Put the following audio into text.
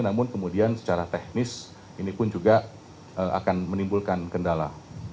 namun kemudian secara teknis ini pun juga akan menimbulkan kendala